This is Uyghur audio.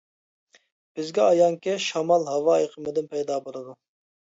بىزگە ئايانكى، شامال ھاۋا ئېقىمىدىن پەيدا بولىدۇ.